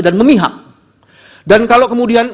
dan memihak dan kalau kemudian